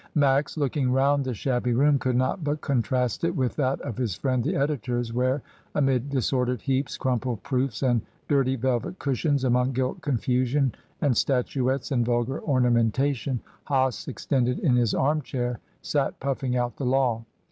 Max, looking round the shabby room, could not but contrast it with that of his friend the editor's, where, amid disordered heaps, crumpled proofs, and dirty velvet cushions, among gilt confusion and statuettes and vulgar ornamentation, Hase, extended in his arm chair, sat puffing out the law.